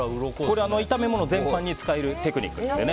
これは炒め物全般に使えるテクニックです。